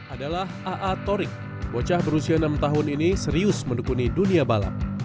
adalah aa torik bocah berusia enam tahun ini serius mendukungi dunia balap